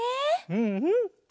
うんうん。